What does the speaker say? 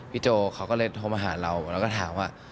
โจเขาก็เลยโทรมาหาเราแล้วก็ถามว่า